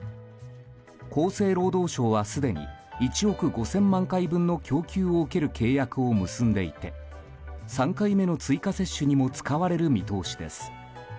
厚生労働省は、すでに１億５０００万回分の供給を受ける契約を結んでいて３回目の追加接種にも使われる見通しです。